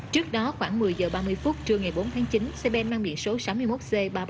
trước đó khoảng một mươi h ba mươi phút trưa ngày bốn tháng chín xe ben mang biện số sáu mươi một c ba mươi ba nghìn bốn mươi tám